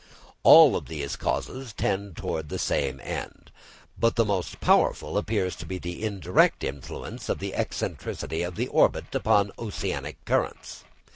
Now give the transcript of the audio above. All these causes tend towards the same end; but the most powerful appears to be the indirect influence of the eccentricity of the orbit upon oceanic currents.